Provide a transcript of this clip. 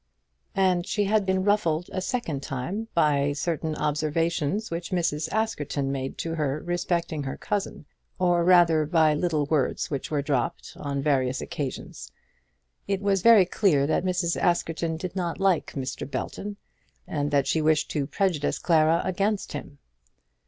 And she had been ruffled a second time by certain observations which Mrs. Askerton made to her respecting her cousin or rather by little words which were dropped on various occasions. It was very clear that Mrs. Askerton did not like Mr. Belton, and that she wished to prejudice Clara against him.